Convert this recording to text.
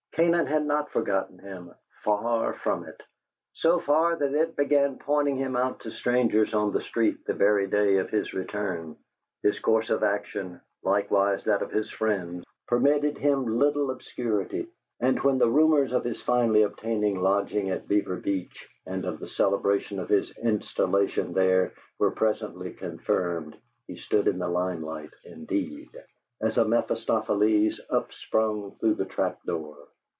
Canaan had not forgotten him far from it! so far that it began pointing him out to strangers on the street the very day of his return. His course of action, likewise that of his friends, permitted him little obscurity, and when the rumors of his finally obtaining lodging at Beaver Beach, and of the celebration of his installation there, were presently confirmed, he stood in the lime light indeed, as a Mephistopheles upsprung through the trap door.